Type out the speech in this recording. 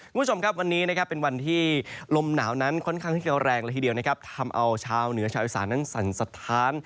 คุณผู้ชมครับวันนี้เป็นวันที่ลมหนาวนั้นค่อนข้างเชียวแรงละทีเดียวทำเอาชาวเหนือชาวอิสานทั้งสรรสภาน